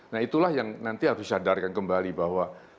nah itulah yang nanti harus disadarkan kembali bahwa tidak ada gunanya